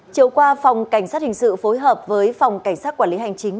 chiều qua phòng cảnh sát hình sự phối hợp với phòng cảnh sát quản lý hành chính